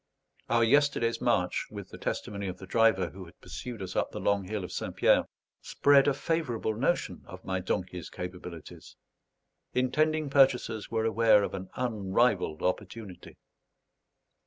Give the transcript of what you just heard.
Our yesterday's march, with the testimony of the driver who had pursued us up the long hill of St. Pierre, spread a favourable notion of my donkey's capabilities. Intending purchasers were aware of an unrivaled opportunity.